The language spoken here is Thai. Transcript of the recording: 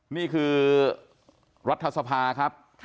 นี่คือรัฐสภาครับ